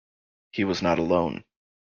He was not alone.